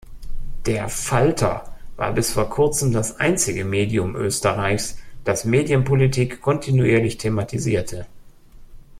Der "Falter" war bis vor kurzem das einzige Medium Österreichs, das Medienpolitik kontinuierlich thematisierte.